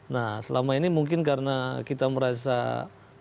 nah selama ini mungkin karena kita merasa